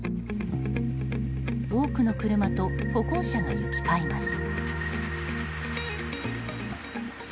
多くの車と歩行者が行き交います。